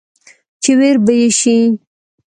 چې وېر به يې شي ،